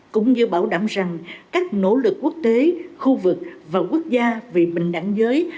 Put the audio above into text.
cũng như bảo đảm rằng các nỗ lực quốc tế khu vực và quốc gia vì bình đẳng giới